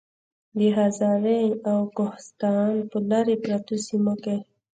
د هزارې او کوهستان پۀ لرې پرتو سيمو کې